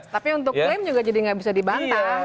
tapi untuk klaim juga jadi nggak bisa dibantah